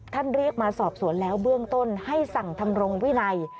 เรียกมาสอบสวนแล้วเบื้องต้นให้สั่งทำรงวินัย